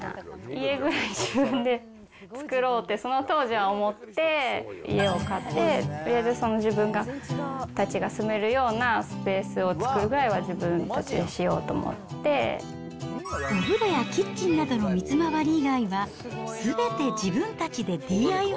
家ぐらい自分で造ろうって、その当時は思って、家を買って、とりあえず自分たちが住めるようなスペースを作るぐらいは、自分お風呂やキッチンなどの水回り以外は、すべて自分たちでＤＩＹ。